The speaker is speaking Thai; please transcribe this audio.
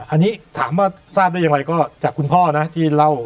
อันนี้ถามว่าทราบได้ยังไงก็จากคุณพ่อนะ